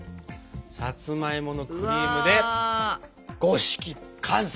さつまいものクリームで五色完成！